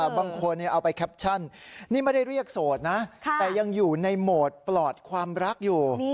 บางคนเอาไปแคปชั่นนี่ไม่ได้เรียกโสดนะแต่ยังอยู่ในโหมดปลอดความรักอยู่